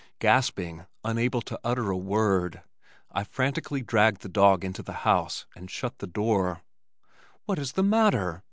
Gasping, unable to utter a word, I frantically dragged the dog into the house and shut the door. "What is the matter?"